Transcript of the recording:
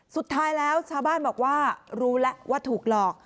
สุดท้ายแล้วชาวบ้านบอกว่ารู้แล้วว่าถูกหลอก